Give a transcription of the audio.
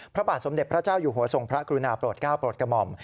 พระบาทสมเด็จพระเจ้าอยู่หัวทรงพระกรุณาโปรดก้าวโปรดกระหม่อม